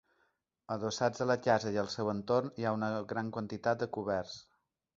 Adossats a la casa i al seu entorn hi ha gran quantitat de coberts.